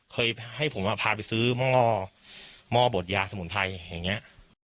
เคยให้ผมพาไปซื้อหม้อหม้อบดยาสมุนไพรอย่างนี้